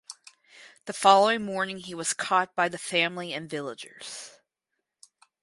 The following morning he was caught by the family and villagers.